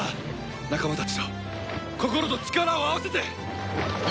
仲間たちと心と力を合わせて！